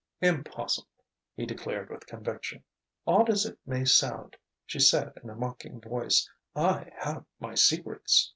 "Impossible!" he declared with conviction. "Odd as it may sound," she said in a mocking voice, "I have my secrets."